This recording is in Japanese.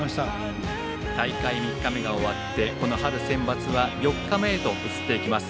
大会３日目が終わって春センバツは４日目へ移ります。